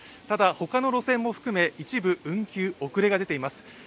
ただ、他の路線も含め、一部運休、遅れが出ています。